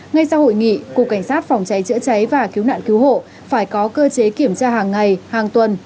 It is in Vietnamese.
ngay sau hội nghị cục cảnh sát phòng cháy chữa cháy và cứu nạn cứu hộ phải có cơ chế kiểm tra hàng ngày hàng tuần